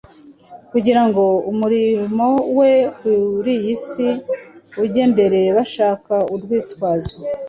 kugira ngo umurimo we kuri iyi si ujye mbere, bashaka urwitwazo.